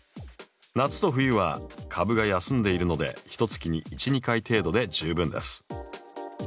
夏と冬は株が休んでいるのでひとつきに１２回程度で十分です。